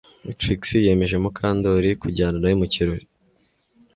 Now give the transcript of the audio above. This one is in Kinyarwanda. Trix yemeje Mukandoli kujyana nawe mu kirori